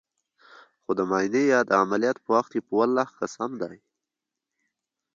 خو د معاينې يا د عمليات په وخت په ولله قسم ديه.